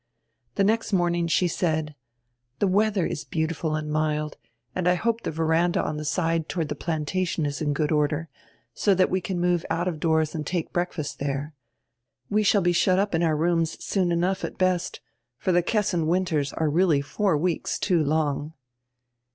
The next morning she said: "The weather is beautiful and mild and I hope the veranda on the side toward tire 'Plantation' is in good order, so that we can move out of doors and take breakfast there. We shall be shut up in our rooms soon enough, at best, for tire Kessin winters are really four weeks too long."